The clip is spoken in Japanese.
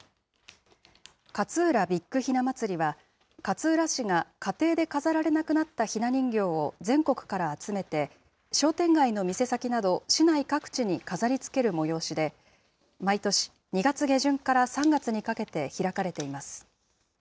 かつうらビッグひな祭りは、勝浦市が家庭で飾られなくなったひな人形を全国から集めて、商店街の店先など、市内各地に飾りつける催しで、毎年、２月下旬から３月にかけて開かれています。